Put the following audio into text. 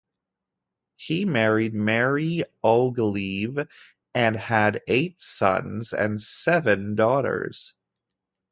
He married Mary Ogilvie and had eight sons and seven daughters.